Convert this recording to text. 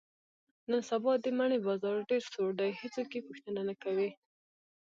نن سبا د مڼې بازار ډېر سوړ دی، هېڅوک یې پوښتنه نه کوي.